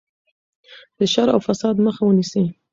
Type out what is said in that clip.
د شر او فساد مخه ونیسئ.